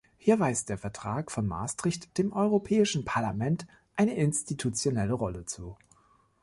Hier weist der Vertrag von Maastricht dem Europäischen Parlament eine institutionelle Rolle zu.